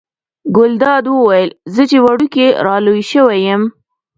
ګلداد وویل زه چې وړوکی را لوی شوی یم.